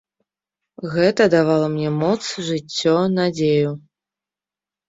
Гэта давала мне моц, жыццё, надзею.